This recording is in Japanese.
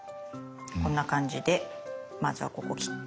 こんな感じでまずはここ切って。